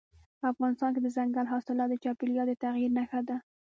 افغانستان کې دځنګل حاصلات د چاپېریال د تغیر نښه ده.